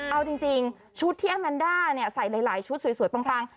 เอาจริงชุดที่อาแมนด้าใส่หลายชุดสวยปัง